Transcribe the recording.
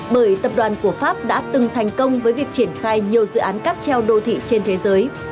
bởi tập đoàn của pháp đã từng thành công với việc triển khai nhiều dự án cáp treo đô thị trên thế giới